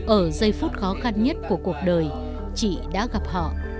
ở giây phút khó khăn nhất của cuộc đời chị đã gặp họ